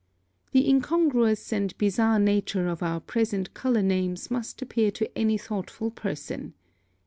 (2) The incongruous and bizarre nature of our present color names must appear to any thoughtful person.